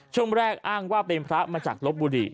ช่วงแรกอ้างว่าเป็นพระมาจากลบบุรี